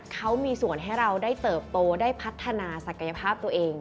เขามีส่วนให้เราได้เติบโตได้พัฒนาศักยภาพตัวเอง